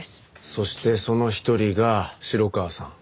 そしてその一人が城川さん。